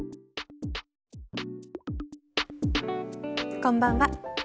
こんばんは。